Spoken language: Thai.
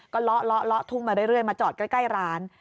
ก็เลาะเลาะเลาะทุ่งมาเรื่อยมาจอดใกล้ร้าน